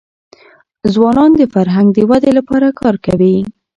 ځوانان د فرهنګ د ودې لپاره کار کوي.